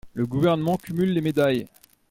Le Gouvernement cumule les médailles